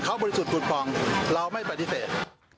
เขาบริสุทธิ์ปุดป่องเราไม่ปฏิเสธ